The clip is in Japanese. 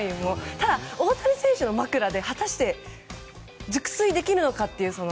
ただ大谷選手の枕で果たして熟睡できるのかという。